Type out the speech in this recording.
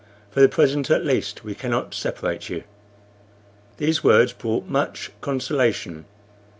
For the present, at least, we cannot separate you." These words brought much consolation.